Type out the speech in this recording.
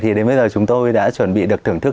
thì đến bây giờ chúng tôi đã chuẩn bị được thưởng thức